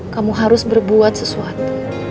kamu harus berbuat sesuatu